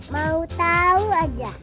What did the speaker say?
mau tahu aja